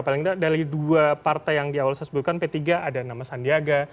paling tidak dari dua partai yang di awal saya sebutkan p tiga ada nama sandiaga